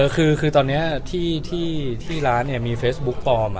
คือโตญแพง่าที่ร้านมีเฟซบุ๊คปอม